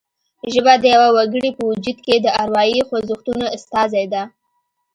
ژبه د یوه وګړي په وجود کې د اروايي خوځښتونو استازې ده